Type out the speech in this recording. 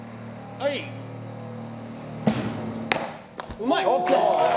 うまい！